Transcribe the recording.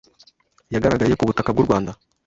yagaragaye ku butaka bw’u Rwanda